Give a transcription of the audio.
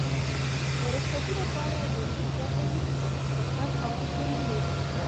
د رخصتي لپاره یو لیک راته ولیکه چې د کار خاوند ته یې ولیږم